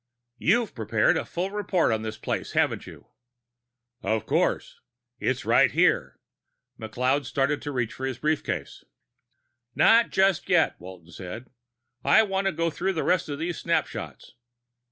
"You've prepared a full report on this place, haven't you?" "Of course. It's right here." McLeod started to reach for his briefcase. "Not just yet," Walton said. "I want to go through the rest of these snapshots."